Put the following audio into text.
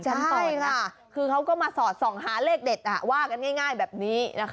ใช่ค่ะคือก็มาสอดส่องหาเลขเด็ดและว่ากันง่ายแบบนี้